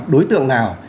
đối tượng nào